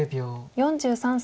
４３歳。